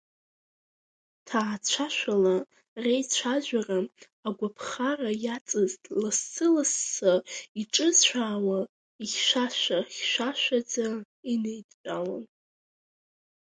Ҭаацәашәала реицәажәара агәаԥхара иаҵаз лассы-лассы иҿыцәаауа, ихьшәашәа-хьшәашәаӡа инеидтәалон.